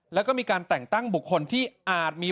แล้วก็มีการแต่งตั้งบุคคลที่อาจมี